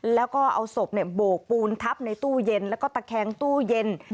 แล้วก็เอาศพโบกปูนทับในตู้เย็นแล้วก็ตะแคงตู้เย็น